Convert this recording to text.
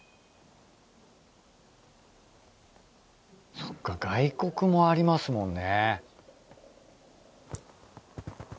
そっか外国もありますもんね。